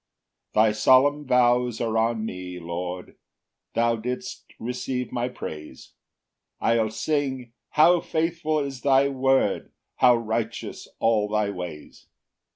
9 Thy solemn vows are on me, Lord, Thou shalt receive my praise; I'll sing, "how faithful is thy word, "How righteous all thy ways!"